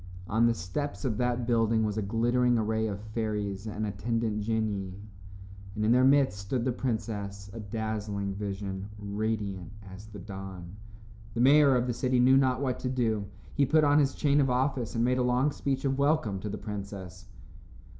On the steps of that building was a glittering array of fairies and attendant genii, and in their midst stood the princess, a dazzling vision, radiant as the dawn. The mayor of the city knew not what to do. He put on his chain of office and made a long speech of welcome to the princess.